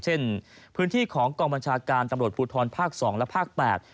เช่นพื้นที่ของกองบัญชาการตำรวจพูทล๒และ๒ปาร์ท๘